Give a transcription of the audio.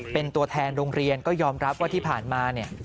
เป็นตัวแทนโรงเรียนก็ยอมรับว่าที่ผ่านมาเนี่ย